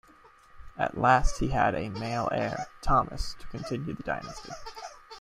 At last he had a male heir, Thomas, to continue the dynasty.